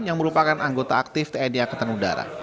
yang merupakan anggota aktif tni aktenudara